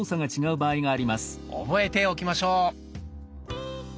覚えておきましょう。